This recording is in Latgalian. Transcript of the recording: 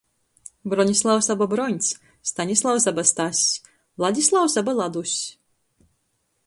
Bronislavs aba Broņs, Stanislavs aba Stass, Vladislavs aba Laduss.